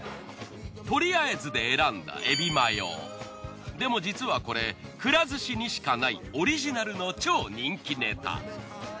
とりあえずで選んだでも実はこれくら寿司にしかないオリジナルの超人気ネタ。